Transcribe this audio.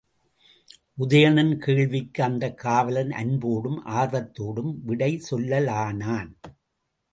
உதயணன் கேள்விக்கு அந்தக் காவலன் அன்போடும் ஆர்வத்தோடும் விடை சொல்லலானான்.